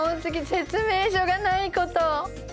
説明書がないこと。